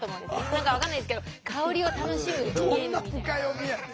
何か分かんないですけど香りを楽しむゲームみたいな。